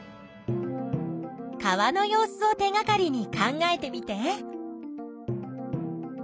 川の様子を手がかりに考えてみて。